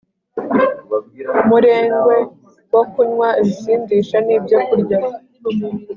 Umurengwe wo kunywa ibisindisha nibyokurya